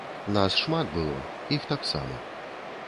Нас шмат было, іх таксама.